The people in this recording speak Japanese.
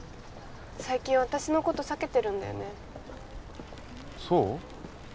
最近私のこと避けてるんだよねそう？